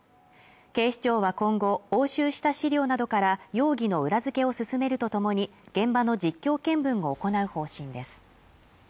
警視庁は今後押収した資料などから容疑の裏付けを進めるとともに現場の実況見分を行う方針です